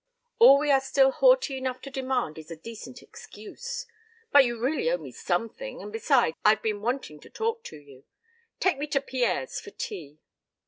All we are still haughty enough to demand is a decent excuse. But you really owe me something, and besides I've been wanting to talk to you. Take me to Pierre's for tea."